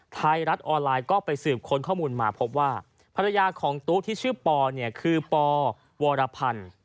ไทยรัฐออนไลน์ก็ไปสืบค้นข้อมูลมาพบว่าภรรยาของตู้ที่ชื่อปอเนี่ยคือปวรพันธ์